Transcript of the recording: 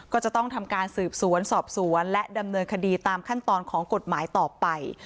ก็จะต้องทำการสืบสวนสอบสวนและดำเนินคดีตามขั้นตอนของกฎหมายต่อไป